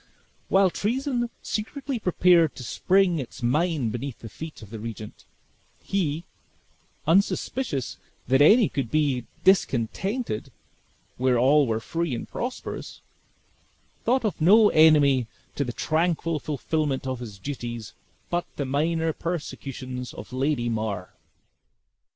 While treason secretly prepared to spring its mine beneath the feet of the regent, he, unsuspicious that any could be discontented where all were free and prosperous, thought of no enemy to the tranquil fulfillment of his duties but the minor persecutions of Lady Mar.